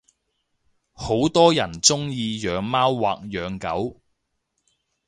好多人鐘意養貓或養狗